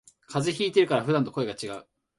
風邪ひいてるから普段と声がちがう